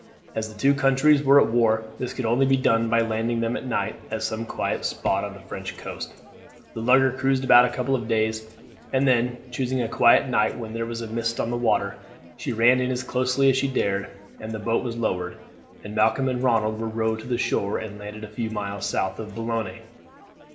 As the two countries were at war this could only be done by landing them at night at some quiet spot on the French coast. The lugger cruised about a couple of days, and then, choosing a quiet night when there was a mist on the water, she ran in as closely as she dared, then the boat was lowered, and Malcolm and Ronald were rowed to shore and landed a few miles south of Boulogne.